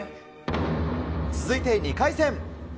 続いて２回戦。